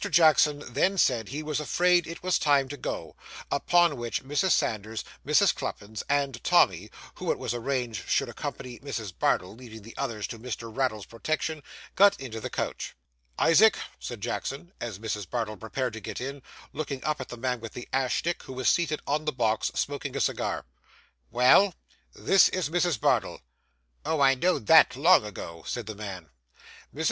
Jackson then said he was afraid it was time to go; upon which, Mrs. Sanders, Mrs. Cluppins, and Tommy (who it was arranged should accompany Mrs. Bardell, leaving the others to Mr. Raddle's protection), got into the coach. 'Isaac,' said Jackson, as Mrs. Bardell prepared to get in, looking up at the man with the ash stick, who was seated on the box, smoking a cigar. 'Well?' 'This is Mrs. Bardell.' 'Oh, I know'd that long ago,' said the man. Mrs.